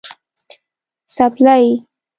🩴څپلۍ